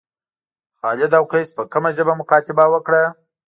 خالد او قیس په کومه ژبه مکاتبه وکړه.